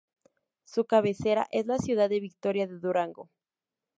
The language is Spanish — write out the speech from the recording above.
Su cabecera es la ciudad de Victoria de Durango.